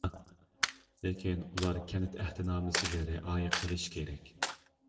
لېكىن، ئۇلار كەنت ئەھدىنامىسىگە رىئايە قىلىشى كېرەك.